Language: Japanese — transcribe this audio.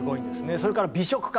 それから美食家